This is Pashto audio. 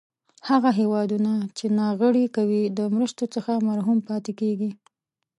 هغه هېوادونه چې ناغیړي کوي د مرستو څخه محروم پاتې کیږي.